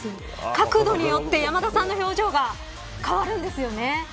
角度によって、山田さんの表情が変わるんですよね。